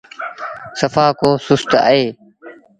سڦآ ڪو سُست اهيݩ۔